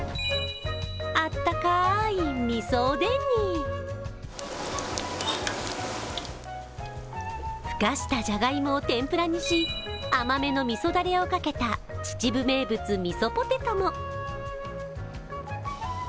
あったかい、みそおでんに、ふかしたじゃがいもを天ぷらにし、甘めのみそだれをかけた秩父名物みそポテトも。